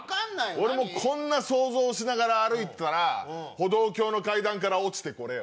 俺もこんな想像をしながら歩いてたら歩道橋の階段から落ちてこれよ。